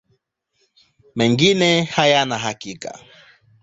Mengine hayana hakika.